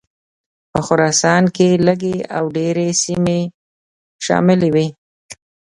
په خراسان کې لږې او ډېرې سیمې شاملي وې.